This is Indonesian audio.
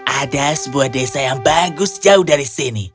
ada sebuah desa yang bagus jauh dari sini